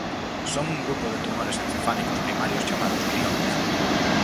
Son un grupo de tumores encefálicos primarios chamados gliomas.